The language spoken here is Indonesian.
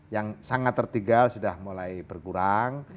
yang sangat tertinggal sudah mulai berkurang